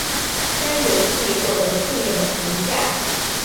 该游戏获得负面的评价。